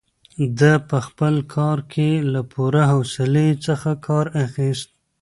ده په خپل کار کې له پوره حوصلې څخه کار اخیست.